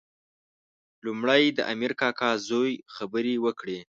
لومړی د امیر کاکا زوی خبرې وکړې.